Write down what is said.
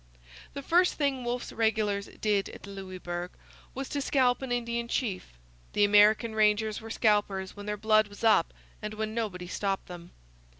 The first thing Wolfe's regulars did at Louisbourg was to scalp an Indian chief. The American rangers were scalpers when their blood was up and when nobody stopped them.